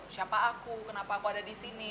siapa aku kenapa aku ada disini